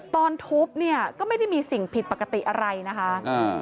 ตอนทุบก็ไม่ได้มีสิ่งผิดปกติอะไรนะคะ